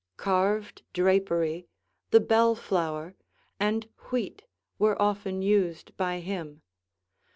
Carved drapery, the belle flower, and wheat were often used by him.